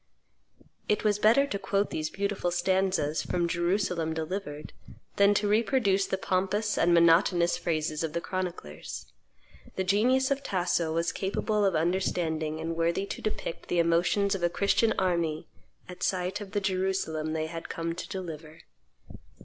It was better to quote these beautiful stanzas from "Jerusalem Delivered" than to reproduce the pompous and monotonous phrases of the chroniclers. The genius of Tasso was capable of understanding and worthy to depict the emotions of a Christian army at sight of the Jerusalem they had come to deliver.